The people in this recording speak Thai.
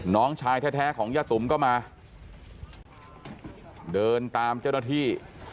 น้องชายแท้ของย่าตุ๋มก็มาเดินตามเจ้าหน้าที่